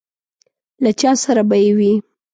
له چا سره به یې وي.